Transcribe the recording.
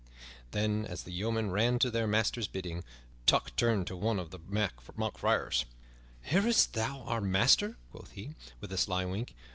Then, as the yeomen ran to do their master's bidding, Tuck turned to one of the mock friars. "Hearest thou our master?" quoth he, with a sly wink.